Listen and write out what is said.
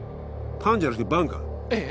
パンじゃなくてヴァンかええ